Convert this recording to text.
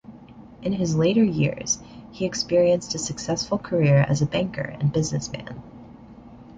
In his later years, he experienced a successful career as a banker and businessman.